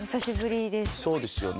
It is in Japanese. そうですよね。